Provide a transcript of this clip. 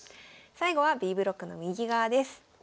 最後はＢブロックの右側です。